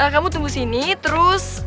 kamu tunggu di sini terus